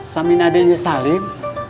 samin adeknya salim